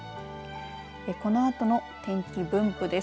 このあとの天気分布です。